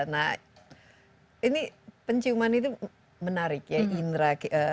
nah ini penciuman itu menarik ya indra